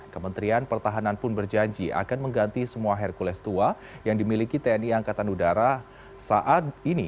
kementerian pertahanan pun berjanji akan mengganti semua hercules tua yang dimiliki tni angkatan udara saat ini